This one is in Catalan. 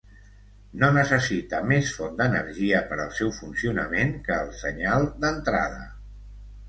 No necessita més font d'energia per al seu funcionament que el senyal d'entrada.